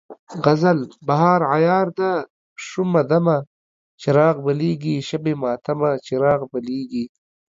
غزل: بهار عیار ده شومه دمه، چراغ بلیږي شبِ ماتمه، چراغ بلیږي